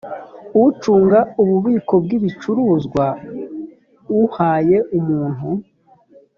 ucunga ububiko bw ibicuruzwa uhaye umuntu